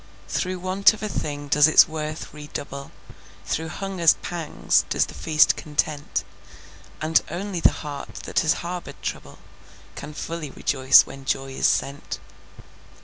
Through want of a thing does its worth redouble, Through hunger's pangs does the feast content, And only the heart that has harbored trouble, Can fully rejoice when joy is sent.